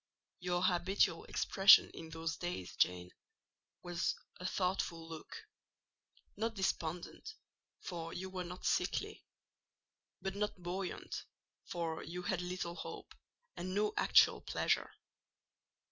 Your habitual expression in those days, Jane, was a thoughtful look; not despondent, for you were not sickly; but not buoyant, for you had little hope, and no actual pleasure.